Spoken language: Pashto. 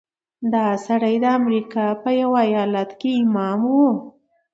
دا سړی د امریکا په یوه ایالت کې امام و.